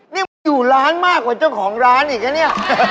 นี่มันอยู่ร้านมากกว่าเจ้าของร้านอีกนะเนี่ย